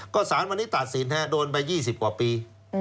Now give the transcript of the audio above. ก็สารวันนี้ตัดสินโดนไป๒๐กว่าปี